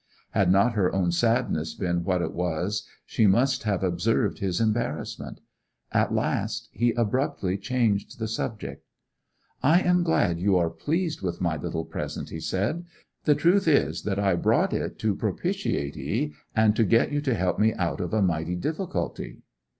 Had not her own sadness been what it was she must have observed his embarrassment. At last he abruptly changed the subject. 'I am glad you are pleased with my little present,' he said. 'The truth is that I brought it to propitiate 'ee, and to get you to help me out of a mighty difficulty.